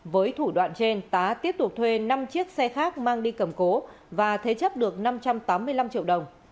với thủ đoạn trên tá tiếp tục thuê năm chiếc xe khác mang đi cầm cố và thế chấp được năm trăm tám mươi năm triệu đồng